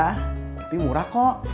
tapi murah kok